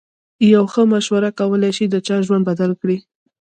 یوه ښه مشوره کولای شي د چا ژوند بدل کړي.